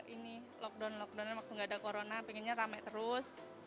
ini lockdown lockdown waktu nggak ada corona pengennya rame terus